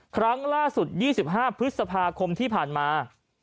ครั้งล่าสุด๒๕พฤษภาคมที่ผ่านมา